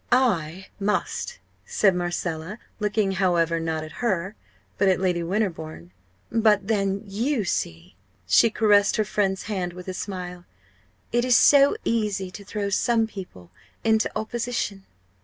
"I must," said Marcella, looking, however, not at her, but at Lady Winterbourne. "But then, you see," she caressed her friend's hand with a smile "it is so easy to throw some people into opposition!"